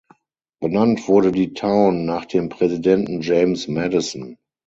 Benannt wurde die Town nach dem Präsidenten James Madison.